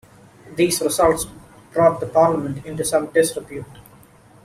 These results brought the parliament into some disrepute.